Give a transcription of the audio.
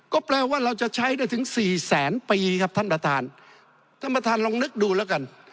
ก็แปลว่าเราจะใช้ได้ถึงสี่แสนปีครับท่านประธานท่านประธานลองนึกดูแล้วกัน